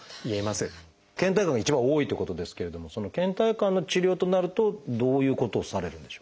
けん怠感が一番多いということですけれどもそのけん怠感の治療となるとどういうことをされるんでしょう？